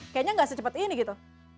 kayaknya nggak secepat ini gitu